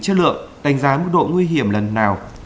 chất lượng đánh giá mức độ nguy hiểm lần nào